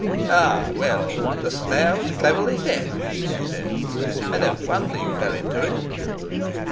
"Ah, well, the snare was cleverly set," he said. "I don't wonder you fell into it."